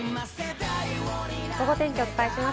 ゴゴ天気をお伝えします。